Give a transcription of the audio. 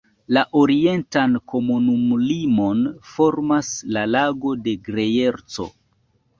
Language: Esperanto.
La orientan komunumlimon formas la Lago de Grejerco.